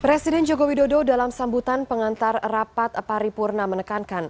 presiden joko widodo dalam sambutan pengantar rapat paripurna menekankan